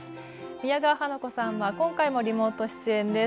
宮川花子さんは今回もリモート出演です。